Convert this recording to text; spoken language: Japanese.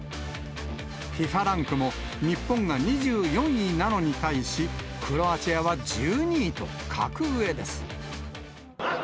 ＦＩＦＡランクも日本が２４位なのに対し、クロアチアは１２位と、格上です。